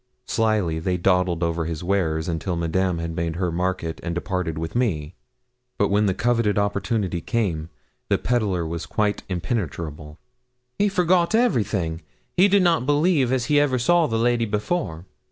Slyly they dawdled over his wares, until Madame had made her market and departed with me. But when the coveted opportunity came, the pedlar was quite impenetrable. 'He forgot everything; he did not believe as he ever saw the lady before.